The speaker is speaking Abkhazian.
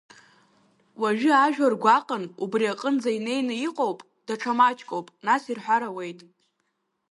Уажәы ажәлар гәаҟын, убри аҟынӡа инеины иҟоуп, даҽа маҷкоуп, нас ирҳәар ауеит…